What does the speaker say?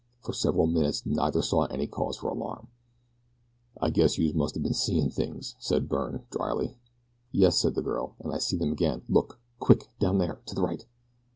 For several minutes neither saw any cause for alarm. "I guess youse must o' been seein' things," said Byrne, drily. "Yes," said the girl, "and I see them again. Look! Quick! Down there to the right."